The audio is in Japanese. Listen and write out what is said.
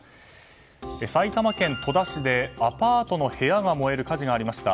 埼玉県戸田市でアパートの部屋が燃える火事がありました。